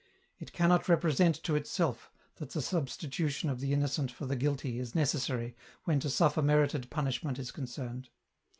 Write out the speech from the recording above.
It cannot represent to itself that the substitution of the innocent for the guilty is necessary when to suffer merited punishment is concerned.